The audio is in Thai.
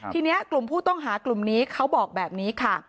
ทีนี้กลุ่มผู้ต้องหากลุ่มนี้เขาบอกแบบนี้ค่ะ